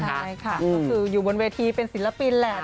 ใช่ค่ะก็คืออยู่บนเวทีเป็นศิลปินแหละ